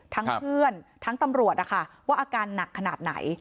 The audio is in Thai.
เพื่อนทั้งตำรวจนะคะว่าอาการหนักขนาดไหน